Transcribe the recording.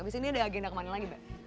abis ini ada agenda kemana lagi mbak